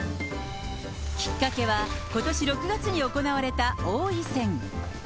きっかけは、ことし６月に行われた王位戦。